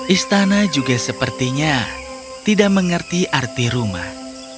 istana juga sepertinya tidak mengerti arti rumah